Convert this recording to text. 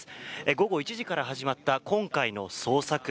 午後１時から始まった今回の捜索。